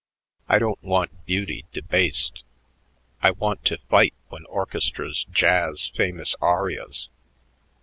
I don't want beauty debased. I want to fight when orchestras jazz famous arias.